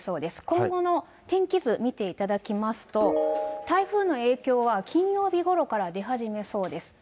今後の天気図見ていただきますと、台風の影響は金曜日ごろから出始めそうです。